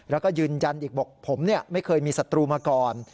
แล้วก็ยืนยันอีกบอกผมไม่เคยมีศัตรูมาก่อน